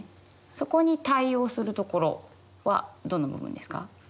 そこに対応するところはどの部分ですか？